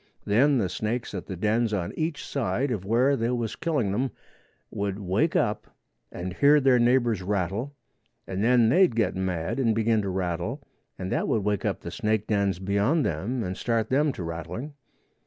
Then the snakes at the dens on each side of where they was killing them would wake up and hear their neighbors' rattle, and then they'd get mad and begin to rattle and that would wake up the snake dens beyond them and start them to rattling.